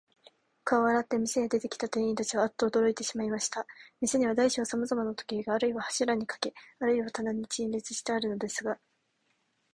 顔を洗って、店へ出てきた店員たちは、アッとおどろいてしまいました。店には大小さまざまの時計が、あるいは柱にかけ、あるいは棚に陳列してあるのですが、